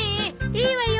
いいわよ。